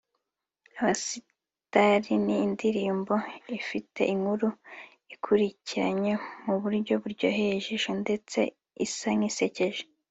Abasitari’ ni indirimbo ifite inkuru (Script) ikurikiranye mu buryo buryoheye ijisho ndetse isa nk’isekeje